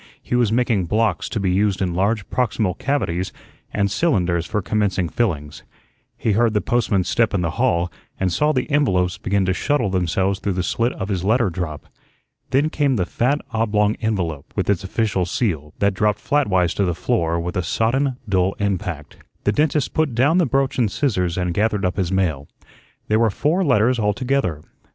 He was making "blocks" to be used in large proximal cavities and "cylinders" for commencing fillings. He heard the postman's step in the hall and saw the envelopes begin to shuttle themselves through the slit of his letter drop. Then came the fat oblong envelope, with its official seal, that dropped flatwise to the floor with a sodden, dull impact. The dentist put down the broach and scissors and gathered up his mail. There were four letters altogether.